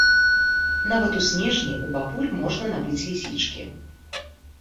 Нават у снежні ў бабуль можна набыць лісічкі.